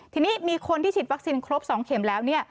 ทีนี้มีคนที่ฉีดวัคซีนครบ๒เข็มแล้วเนี่ย